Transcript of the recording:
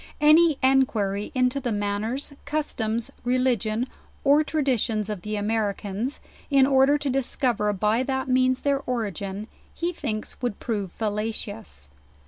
Any enquiry into the manners, customs, religion, or tra ditions of the Americans, in order to discover by that means their origin, he thinks would prove fallacious.